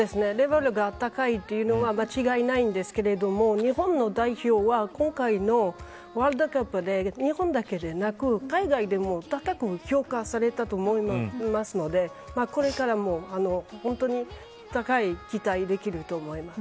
レベルが高いのは間違いないんですけど日本の代表は今回のワールドカップで日本だけでなく海外でも高く評価されたと思いますのでこれからも本当に高い期待できるいと思います。